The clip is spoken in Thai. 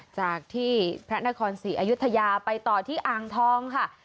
จากที่พระนครศรีอยุธยาไปต่อที่อ่างทองค่ะ